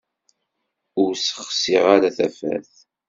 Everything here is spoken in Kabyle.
Ur ssexsiɣ ara tafat.